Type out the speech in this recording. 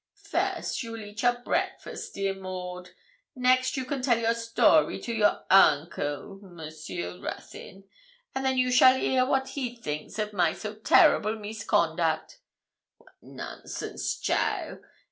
'First you will eat your breakfast, dear Maud; next you can tell your story to your uncle, Monsieur Ruthyn; and then you shall hear what he thinks of my so terrible misconduct. What nonsense, cheaile!